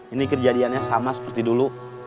ini kejadiannya sama seperti dulu